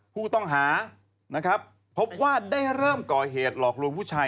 ผู้ต้องหานะครับพบว่าได้เริ่มก่อเหตุหลอกลวงผู้ชาย